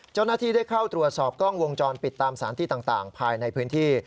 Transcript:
เจ้าหน้าที่ได้เข้าตรวจสอบกล้องวงจรปิดตามสารที่ต่างภายในพื้นที่